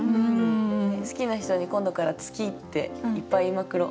好きな人に今度から「月」っていっぱい言いまくろ。